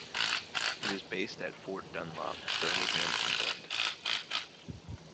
It is based at Fort Dunlop, Birmingham, England.